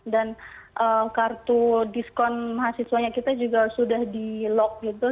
dan kartu diskon mahasiswanya kita juga sudah di lock gitu